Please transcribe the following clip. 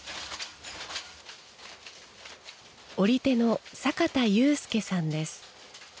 織手の坂田雄介さんです。